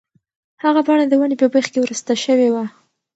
هغه پاڼه د ونې په بېخ کې ورسته شوې وه.